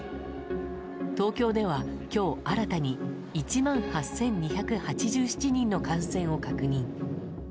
東京ではきょう新たに１万８２８７人の感染を確認。